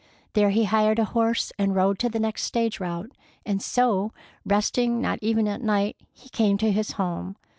There he hired a horse and rode to the next stage route, and so, resting not even at night, he came to his home.